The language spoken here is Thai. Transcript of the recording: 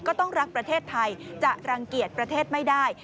ก็ต้องรักประเทศไทยจะรังเกียจประเทศไม่ได้